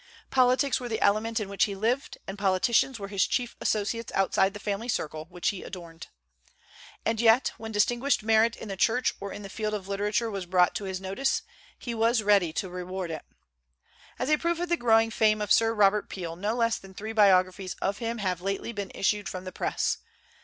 Politics were the element in which he lived, and politicians were his chief associates outside the family circle, which he adorned. And yet when distinguished merit in the Church or in the field of literature was brought to his notice, he was ready to reward it. As a proof of the growing fame of Sir Robert Peel, no less than three biographies of him have lately been issued from the Press.